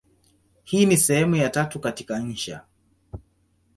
Hii ni sehemu ya tatu katika insha.